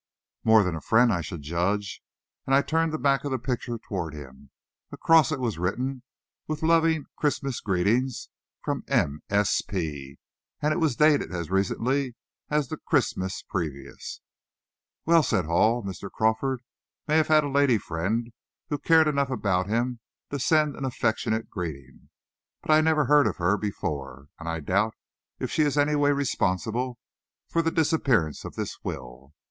"More than a friend, I should judge," and I turned the back of the picture toward him. Across it was written, "with loving Christmas greetings, from M.S.P."; and it was dated as recently as the Christmas previous. "Well," said Hall, "Mr. Crawford may have had a lady friend who cared enough about him to send an affectionate greeting, but I never heard of her before, and I doubt if she is in any way responsible for the disappearance of this will."